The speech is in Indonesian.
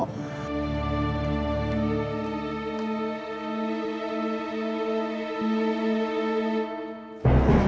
aku mau masuk rumah